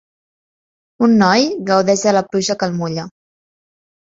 un noi gaudeix de la pluja que el mulla.